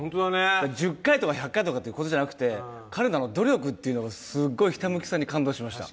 １０回とか１００回とかということじゃなくて彼のあの努力がすごい、あのひたむきさに感動しました。